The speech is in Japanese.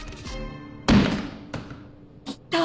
いた！